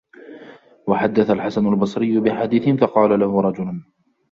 وَحَدَّثَ الْحَسَنُ الْبَصْرِيُّ بِحَدِيثٍ فَقَالَ لَهُ رَجُلٌ